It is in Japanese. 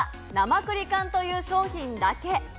まくり缶という商品だけ。